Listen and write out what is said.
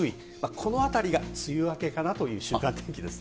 このあたりが梅雨明けかなという週間天気ですね。